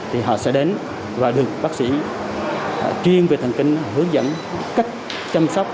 thì họ sẽ đến và được bác sĩ chuyên về thần kinh hướng dẫn cách chăm sóc